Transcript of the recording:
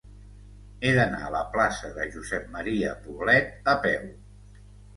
He d'anar a la plaça de Josep M. Poblet a peu.